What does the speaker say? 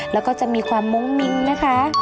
แล้วก็จะมีความมุ้งมิ้งนะคะ